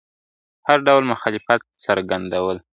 هر ډول مخالفت څرګندول ..